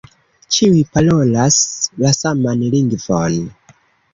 Ĉiuj parolas la saman lingvon.